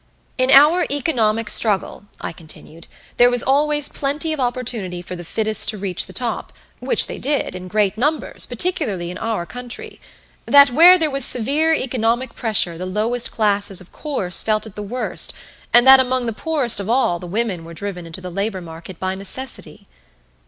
In our economic struggle, I continued, there was always plenty of opportunity for the fittest to reach the top, which they did, in great numbers, particularly in our country; that where there was severe economic pressure the lowest classes of course felt it the worst, and that among the poorest of all the women were driven into the labor market by necessity.